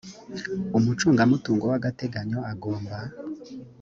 umucungamutungo w agateganyo agomba